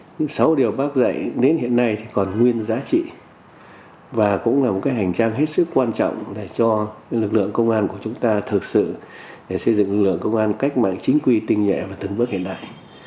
nhưng sáu điều bác dạy đến hiện nay thì còn nguyên giá trị và cũng là một cái hành trang hết sức quan trọng để cho lực lượng công an của chúng ta thực sự xây dựng lực lượng công an cách mạng chính quy tinh nhẹ và từng bước hiện đại